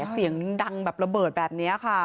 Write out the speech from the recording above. เสียงดังแบบระเบิดแบบนี้ค่ะ